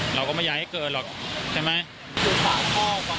เราก็ไม่อยากให้เกิดหรอกใช่ไหม